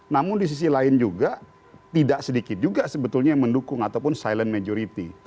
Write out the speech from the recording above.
namun di sisi lain juga tidak sedikit juga sebetulnya yang mendukung ataupun silent majority